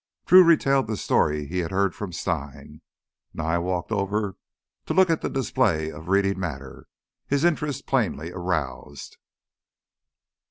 Drew retailed the story he had heard from Stein. Nye walked over to look at the display of reading matter, his interest plainly aroused.